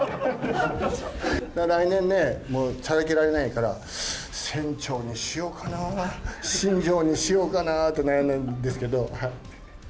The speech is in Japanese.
来年ね、チャラけられないから、船長にしようかな、新庄にしようかなと悩んだんですけど。